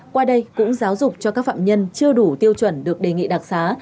qua đây cũng giáo dục cho các phạm nhân chưa đủ tiêu chuẩn được đề nghị đặc xá